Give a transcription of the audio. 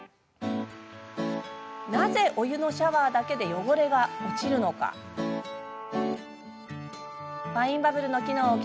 なぜ、お湯のシャワーだけで汚れが落ちるのでしょうか。